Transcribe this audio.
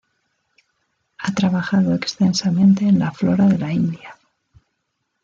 Ha trabajado extensamente en la flora de la India.